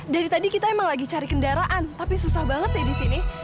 dari tadi kita emang lagi cari kendaraan tapi susah banget ya di sini